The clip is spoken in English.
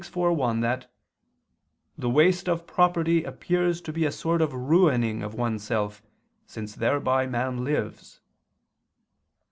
iv, 1) that "the waste of property appears to be a sort of ruining of one's self, since thereby man lives."